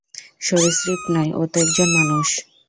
সরীসৃপ নয়, ও তো একজন মানুষ।